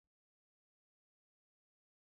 چرګان د هګیو د تولید لپاره مهم دي.